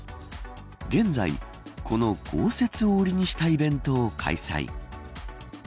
現在、この豪雪を売りにしたイベントを開催。